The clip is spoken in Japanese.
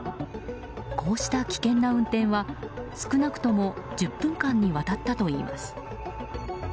こうした危険な運転は少なくとも１０分間にわたったといいます。